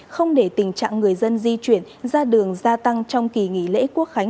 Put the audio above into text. không để tình trạng người dân di chuyển ra đường gia tăng trong kỳ nghỉ lễ quốc khánh